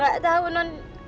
gak tau non